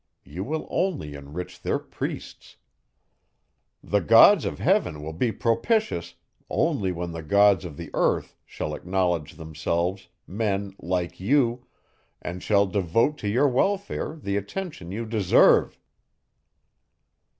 You will only enrich their priests. The gods of heaven will be propitious, only when the gods of the earth shall acknowledge themselves, men, like you, and shall devote to your welfare the attention you deserve.